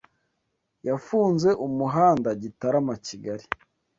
yafunze umuhanda Gitarama-Kigali